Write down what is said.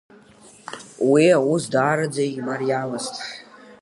Уи аус даараӡа имариамызт.